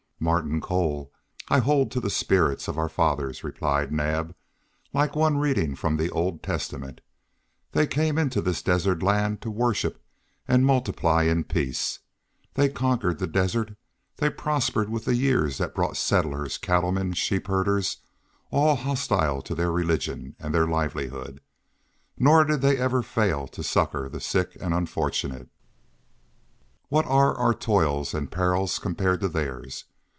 "Martin Cole, I hold to the spirit of our fathers," replied Naab, like one reading from the Old Testament. "They came into this desert land to worship and multiply in peace. They conquered the desert; they prospered with the years that brought settlers, cattle men, sheep herders, all hostile to their religion and their livelihood. Nor did they ever fail to succor the sick and unfortunate. What are our toils and perils compared to theirs?